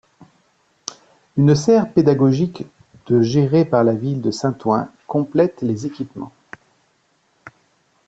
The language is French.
Une serre pédagogique de gérée par la ville de Saint-Ouen complète les équipements.